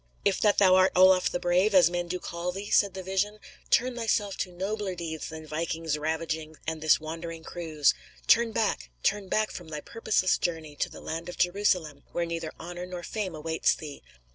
"If that thou art Olaf the Brave, as men do call thee," said the vision, "turn thyself to nobler deeds than vikings' ravaging and this wandering cruise. Turn back, turn back from thy purposeless journey to the land of Jerusalem, where neither honor nor fame awaits thee.